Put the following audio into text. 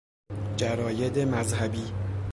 جراید مذهبی